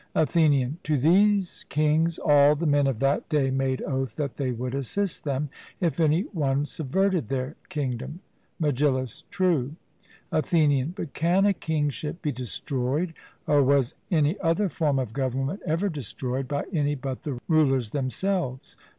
ATHENIAN: To these kings all the men of that day made oath that they would assist them, if any one subverted their kingdom. MEGILLUS: True. ATHENIAN: But can a kingship be destroyed, or was any other form of government ever destroyed, by any but the rulers themselves?